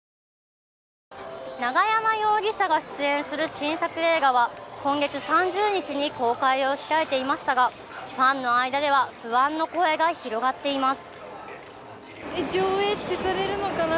永山容疑者が出演する新作映画は今月３０日に公開を控えていましたがファンの間では不安の声が広がっています。